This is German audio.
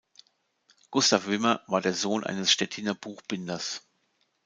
Gustav Wimmer war der Sohn eines Stettiner Buchbinders.